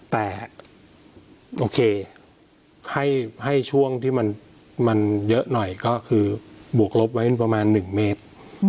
แต่โอเคให้ช่วงที่มันเยอะหน่อยก็คือบวกลบไว้ประมาณ๑เมตร